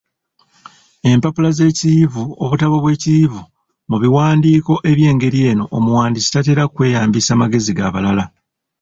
Empapula z’ekiyivu, obutabo obw’ekiyivu, mu biwandiiko eby’engeri eno omuwandiisi tatera kweyambisa magezi ga balala.